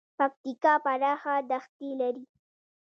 پکتیکا پراخه دښتې لري